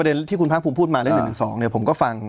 ประเด็นที่คุณพักภูมิพูดมาเรื่องหนึ่งสองเนี้ยผมก็ฟัง